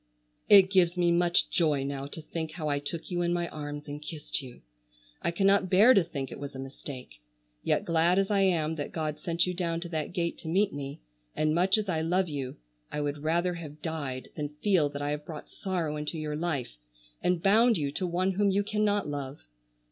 It gives me much joy now to think how I took you in my arms and kissed you. I cannot bear to think it was a mistake. Yet glad as I am that God sent you down to that gate to meet me, and much as I love you, I would rather have died than feel that I have brought sorrow into your life, and bound you to one whom you cannot love.